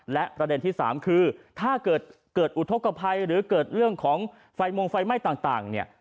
และประเด็นที่สามคือถ้าเกิดเกิดอุทธกภัยหรือเกิดเรื่องของไฟมงไฟไหม้ต่างเนี่ย